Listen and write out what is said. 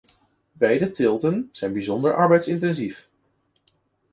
Beide teelten zijn bijzonder arbeidsintensief.